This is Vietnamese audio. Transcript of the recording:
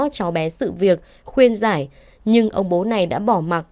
cháu bé sự việc khuyên giải nhưng ông bố này đã bỏ mặt